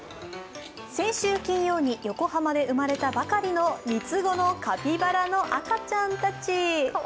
先週金曜に横浜で生まれたばかりの３つ子のカピバラの赤ちゃんたち。